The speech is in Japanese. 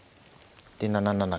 で７七桂。